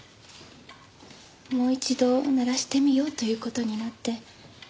もう一度鳴らしてみようという事になって。